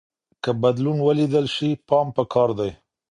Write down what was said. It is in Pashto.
که بدلون ولیدل شي پام پکار دی.